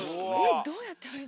どうやって入って。